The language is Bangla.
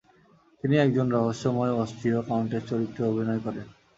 তিনি একজন রহস্যময় অস্ট্রিয় কাউন্টেস চরিত্রে অভিনয় করেন।